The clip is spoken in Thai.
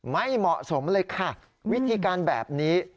ไม่เหมาะสมเลยค่ะวิธีการแบบนี้